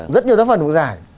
rất nhiều tác phẩm được giải